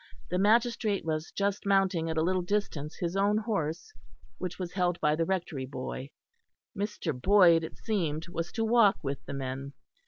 The magistrate was just mounting at a little distance his own horse, which was held by the Rectory boy. Mr. Boyd, it seemed, was to walk with the men.